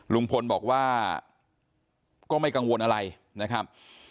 ลุงพลบอกว่าก็ไม่กังวลอะไรนะครับ